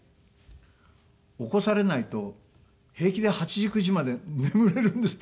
起こされないと平気で８時９時まで眠れるんです。